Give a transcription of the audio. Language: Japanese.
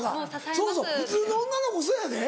そうそう普通の女の子そやで？